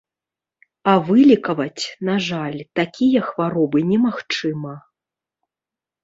А вылекаваць, на жаль, такія хваробы немагчыма.